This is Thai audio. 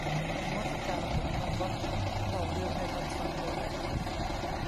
นมัสการสมภารวัดเล่าเรื่องให้ท่านฟังโดยละเอียด